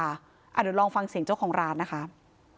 เดี๋ยวลองฟังเสียงเจ้าของร้านนะคะ